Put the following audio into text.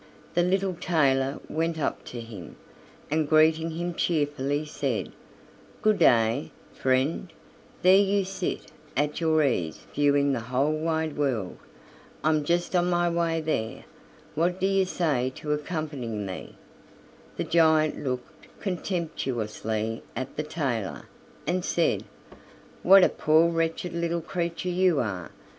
The little tailor went up to him, and greeting him cheerfully said: "Good day, friend; there you sit at your ease viewing the whole wide world. I'm just on my way there. What do you say to accompanying me?" The giant looked contemptuously at the tailor, and said: "What a poor wretched little creature you are!"